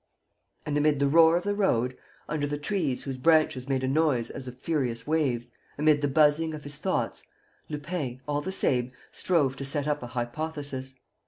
And amid the roar of the road, under the trees whose branches made a noise as of furious waves, amid the buzzing of his thoughts, Lupin, all the same, strove to set up an hypothesis.